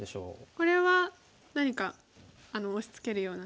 これは何か押しつけるような。